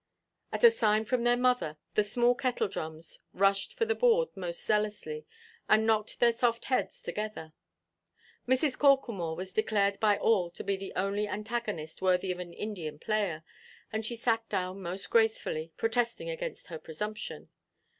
At a sign from their mother, the small Kettledrums rushed for the board most zealously, and knocked their soft heads together. Mrs. Corklemore was declared by all to be the only antagonist worthy of an Indian player, and she sat down most gracefully, protesting against her presumption.